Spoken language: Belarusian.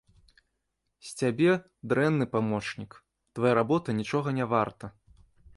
З цябе дрэнны памочнік, твая работа нічога не варта.